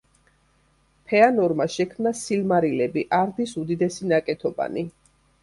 ფეანორმა შექმნა სილმარილები, არდის უდიდესი ნაკეთობანი.